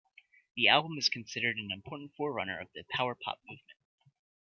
The album is considered an important forerunner of the "power pop" movement.